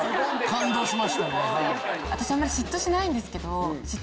私あまり嫉妬しないんですけど。